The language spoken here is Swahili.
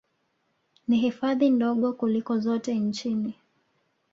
Ni hifadhi ndogo kuliko zote nchini